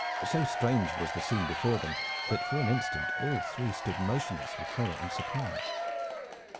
So strange was the scene before them that for an instant all three stood motionless with horror and surprise.